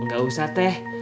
gak usah teh